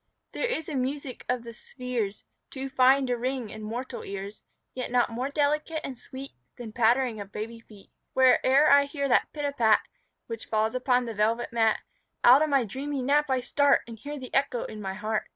There is a music of the spheres Too fine to ring in mortal ears, Yet not more delicate and sweet Than pattering of baby feet; Where'er I hear that pit a pat Which falls upon the velvet mat, Out of my dreamy nap I start And hear the echo in my heart.